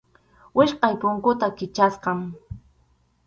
Wichqʼay punkuta Kichasqam.